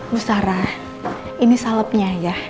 bu sarah ini salepnya ya